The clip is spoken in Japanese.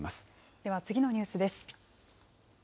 では次のニュースです。